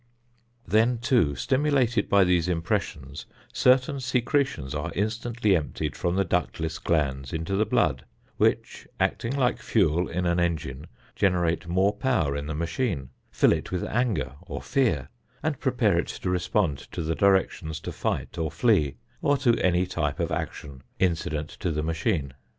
Then, too, stimulated by these impressions, certain secretions are instantly emptied from the ductless glands into the blood which, acting like fuel in an engine, generate more power in the machine, fill it with anger or fear and prepare it to respond to the directions to fight or flee, or to any type of action incident to the machine.